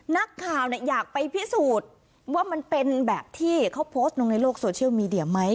นักข่าวอยากไปพิสูจน์ว่ามันเป็นแบบที่เขาโพสต์ลงในโลกโซเชียลมีเดียไหม